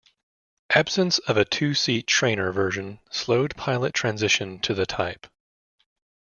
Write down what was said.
Absence of a two-seat trainer version slowed pilot transition to the type.